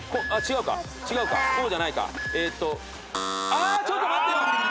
あちょっと待ってよ！